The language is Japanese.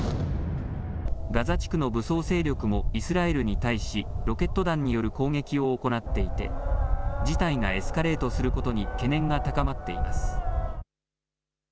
ガザ地区の武装勢力もイスラエルに対しロケット弾による攻撃を行っていて事態がエスカレートすることに懸念が高まっています。